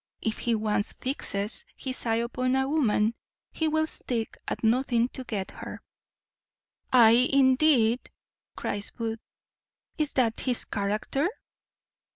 If he once fixes his eye upon a woman, he will stick at nothing to get her." "Ay, indeed!" cries Booth. "Is that his character?"